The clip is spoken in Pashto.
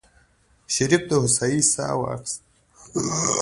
شريف د هوسايۍ سا واخيستله.